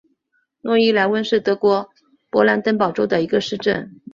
诺伊莱温是德国勃兰登堡州的一个市镇。